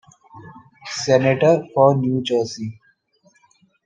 Senator for New Jersey.